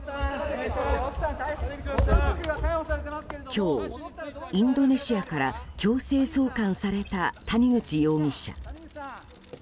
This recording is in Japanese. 今日、インドネシアから強制送還された谷口容疑者。